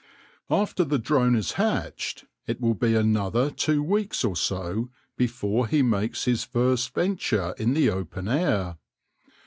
After the drone is hatched, it will be another two weeks or so before he makes his first venture in the open air.